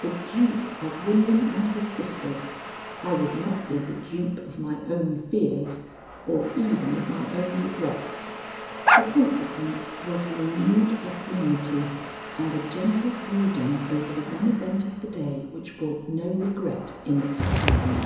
The dupe of William and his sisters, I would not be the dupe of my own fears or even of my own regrets. The consequence was a renewed equanimity and a gentle brooding over the one event of the day which brought no regret in its train.